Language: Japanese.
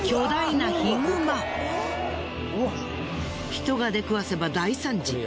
人が出くわせば大惨事。